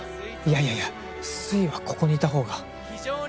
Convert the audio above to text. いやいやいやスイはここにいたほうが。